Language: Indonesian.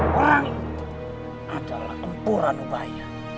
orang itu adalah kempuran ubaya